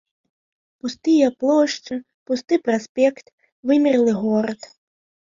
Пустыя плошчы, пусты праспект, вымерлы горад.